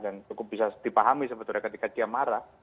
dan cukup bisa dipahami sebetulnya ketika dia marah